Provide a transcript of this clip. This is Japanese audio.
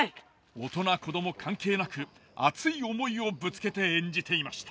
大人子ども関係なく熱い思いをぶつけて演じていました。